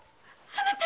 あなた！